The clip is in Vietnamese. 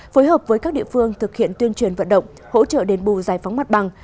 phối hợp với các địa phương thực hiện tuyên truyền vận động hỗ trợ đền bù giải phóng mặt bằng